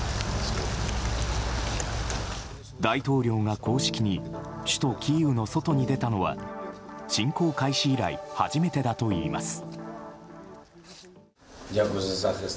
大統領が公式に首都キーウの外に出たのは侵攻開始以来初めてだといいます。